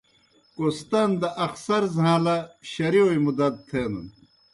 کوہستان دہ اخسر زھاݩلہ شرِیوئے مُدا دہ تھینَن۔